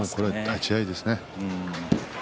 立ち合いですね。